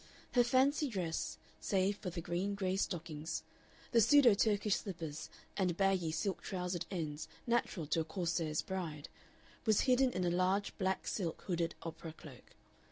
Her fancy dress, save for the green gray stockings, the pseudo Turkish slippers, and baggy silk trousered ends natural to a Corsair's bride, was hidden in a large black silk hooded opera cloak.